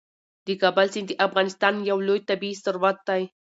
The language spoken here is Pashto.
د کابل سیند د افغانستان یو لوی طبعي ثروت دی.